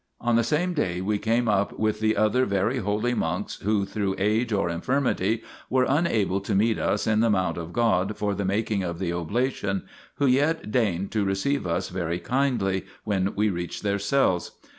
On the same day we came up with the other very holy monks who, through age or infirmity, were unable to meet us in the mount of God for the making of the oblation, who yet deigned to receive us very kindly, when we reached their cells.